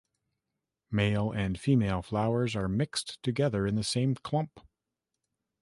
Male and female flowers are mixed together in the same clump.